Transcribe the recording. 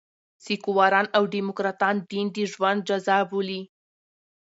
سیکواران او ډيموکراټان دین د ژوند جزء بولي.